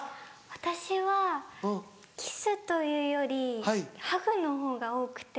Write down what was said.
私はキスというよりハグのほうが多くて。